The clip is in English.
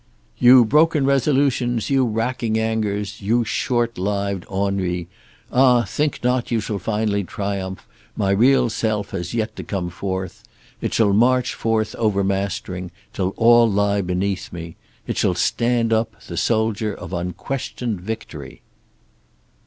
"You broken resolutions, you racking angers, you short lived ennuis; Ah, think not you shall finally triumph, my real self has yet to come forth. It shall march forth over mastering, till all lie beneath me, It shall stand up, the soldier of unquestioned victory."